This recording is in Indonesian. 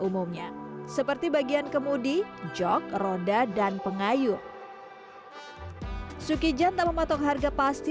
umumnya seperti bagian kemudi jok roda dan pengayuh suki jan tak memotong harga pasti